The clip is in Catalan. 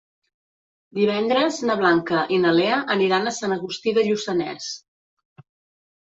Divendres na Blanca i na Lea aniran a Sant Agustí de Lluçanès.